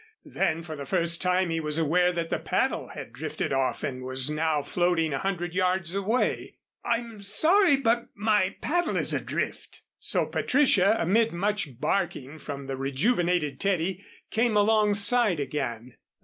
Then for the first time he was aware that the paddle had drifted off and was now floating a hundred yards away. "I'm sorry, but my paddle is adrift." So Patricia, amid much barking from the rejuvenated Teddy, came alongside again.